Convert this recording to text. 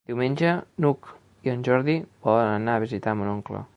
Diumenge n'Hug i en Jordi volen anar a visitar mon oncle.